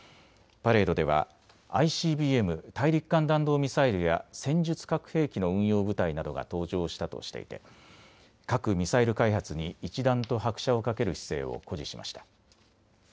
パレードではＩＣＢＭ・大陸間弾道ミサイルや戦術核兵器の運用部隊などが登場したとしていて核・ミサイル開発に一段と拍車をかける姿勢を誇示しました。